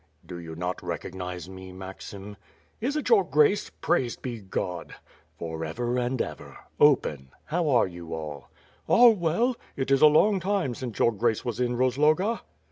"Do you not recognize me, Maxim?" "Is it your Grace? Praised be God." "For ever and ever. Open. How are you all?" "All well. It is a long time since Your Grace was in Roz loga."